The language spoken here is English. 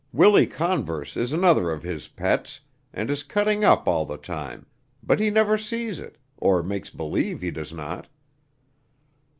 Willie Converse is another of his pets and is cutting up all the time, but he never sees it, or makes believe he does not."